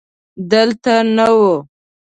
دلته نه و.